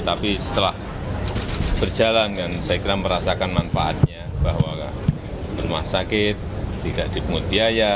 tapi setelah berjalan kan saya kira merasakan manfaatnya bahwa rumah sakit tidak dipungut biaya